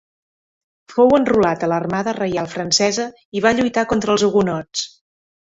Fou enrolat a l'armada reial francesa i va lluitar contra els hugonots.